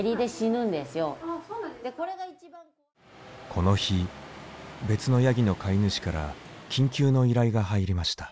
この日別のヤギの飼い主から緊急の依頼が入りました。